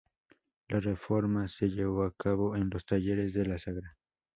La reforma se llevó a cabo en los talleres de La Sagra.